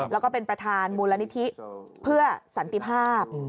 แล้วก็เป็นประธานมูลนิธิเพื่อสันติภาพ